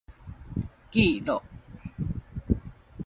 記錄